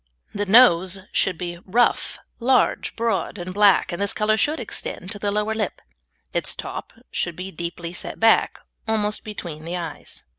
The nose should be rough, large, broad, and black, and this colour should extend to the lower lip; its top should be deeply set back, almost between the eyes.